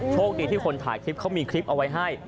โชคดีที่คนถ่ายคลิปเขามีคลิปเอาไว้ให้